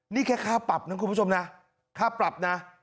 นี่แค่ค่าปรับนะคุณผู้ชมนะค่าปรับนะ